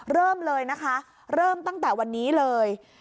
เริ่มเลยนะคะเริ่มตั้งแต่วันนี้เลย